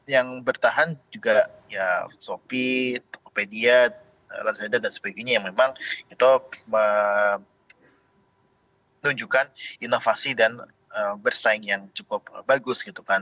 yang bertahan juga ya sopi topedia larzada dan sebagainya yang memang itu menunjukkan inovasi dan bersaing yang cukup bagus gitu kan